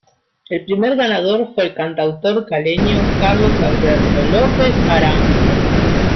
El primer ganador fue el cantautor caleño Carlos Alberto López Arango.